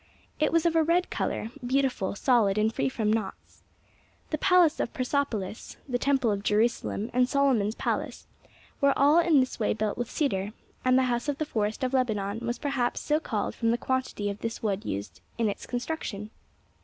It was of a red color, beautiful, solid and free from knots. The palace of Persepolis, the temple of Jerusalem and Solomon's palace were all in this way built with cedar, and the house of the forest of Lebanon was perhaps so called from the quantity of this wood used in its construction.'